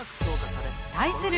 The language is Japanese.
対する